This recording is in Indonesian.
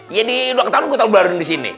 iya di dua ketang gue tahu baru disini